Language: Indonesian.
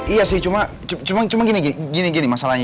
iya sih cuma gini gini masalahnya